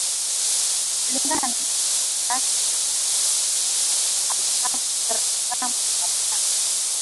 kulingana na majukumu yake na hili ndio shindikizo la alhasa draman watara